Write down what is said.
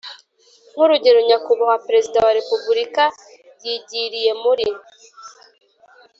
nk urugendo Nyakubahwa Perezida wa Repubulika yagiriye muri